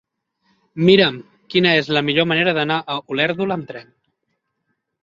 Mira'm quina és la millor manera d'anar a Olèrdola amb tren.